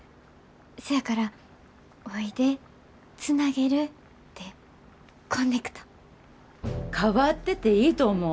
せやからおいでつなげるで「こんねくと」。変わってていいと思う。